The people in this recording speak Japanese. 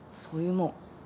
そういうもん。